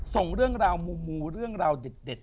ส่งเรื่องราวมูเรื่องราวเด็ด